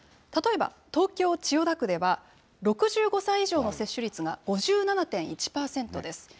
例えば、東京・千代田区では、６５歳以上の接種率が５７．１％です。